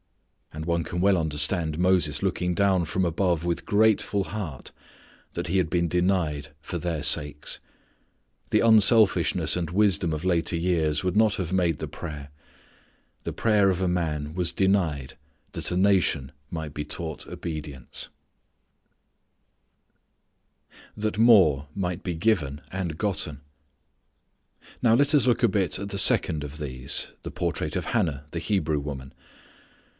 And one can well understand Moses looking down from above with grateful heart that he had been denied for their sakes. The unselfishness and wisdom of later years would not have made the prayer. The prayer of a man was denied that a nation might be taught obedience. That More Might be Given and Gotten. Now let us look a bit at the second of these, the portrait of Hannah the Hebrew woman.